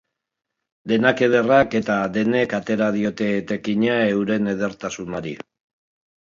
Denak ederrak, eta denek atera diote etekina euren edertasunari.